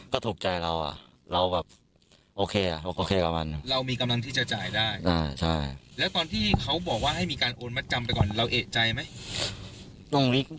ก็เหมือนกับเราแบบลองดูแล้วกัน